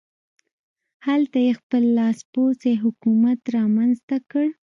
هلته یې خپل لاسپوڅی حکومت رامنځته کړ.